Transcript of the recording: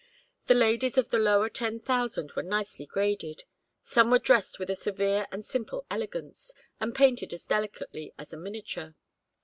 The ladies of the lower ten thousand were nicely graded. Some were dressed with a severe and simple elegance, and painted as delicately as a miniature.